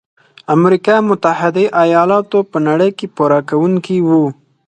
امریکا متحد ایلاتو په نړۍ کې پوره کوونکي وو.